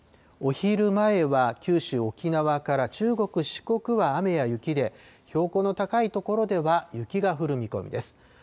お昼前は九州、沖縄から中国、四国は雨や雪で、標高の高い所では雪が降る見込みです。